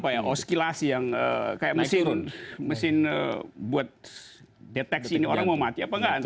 apa ya oscilasi yang kayak mesin buat deteksi ini orang mau mati apa nggak